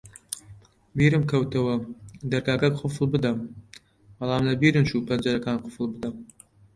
بیرم کەوتەوە دەرگاکە قوفڵ بدەم، بەڵام لەبیرم چوو پەنجەرەکان قوفڵ بدەم.